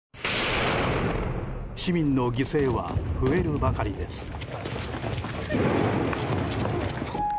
市民の犠牲は増えるばかりです。